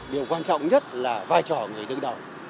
điều quan trọng nhất là vai trò người đứng đầu